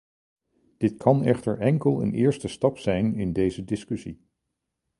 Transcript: Dit kan echter enkel een eerste stap zijn in deze discussie.